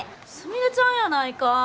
すみれちゃんやないか。